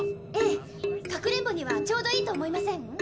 ええかくれんぼにはちょうどいいと思いません？